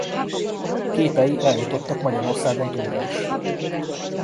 Képei eljutottak Magyarországon túlra is.